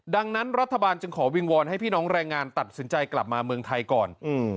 ดังนั้นรัฐบาลจึงขอวิงวอนให้พี่น้องแรงงานตัดสินใจกลับมาเมืองไทยก่อน